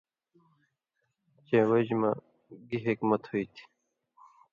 چے وجہۡ مہ گی حِکمت ہُوئ تھی